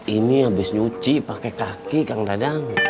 ini habis nyuci pakai kaki kang dadang